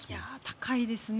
高いですね。